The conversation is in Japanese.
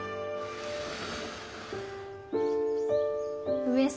上様。